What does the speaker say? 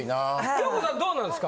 恭子さんどうなんですか？